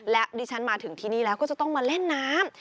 และดิฉันมาถึงที่นี่แล้วก็จะต้องมาเล่นน้ำ